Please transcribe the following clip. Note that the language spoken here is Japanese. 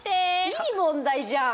いい問題じゃん。